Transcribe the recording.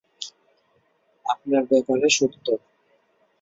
আপনার ব্যাপারে সত্য।